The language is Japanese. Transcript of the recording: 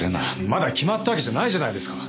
まだ決まったわけじゃないじゃないですか。